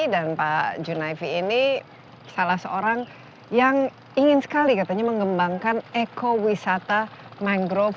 dan pak junaifi ini salah seorang yang ingin sekali katanya mengembangkan ekowisata mangrove